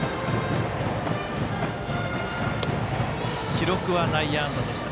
記録は内野安打でした。